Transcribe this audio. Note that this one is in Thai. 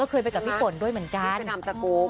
ก็เคยไปกับพี่ปนด้วยเหมือนกันอุจกนามจากโกว์